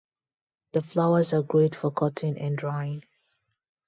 The flowers are great for cutting and drying.